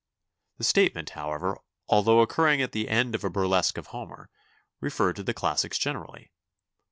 The statement, however, al though occurring at the end of a burlesque of Homer, referred to the classics generally.